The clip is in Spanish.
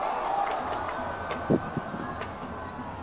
La legislación sobre este tema varía ampliamente de un país a otro.